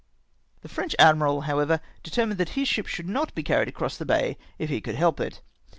The French adnural, however, determined that his ships should not be carried across the bay if he could help it.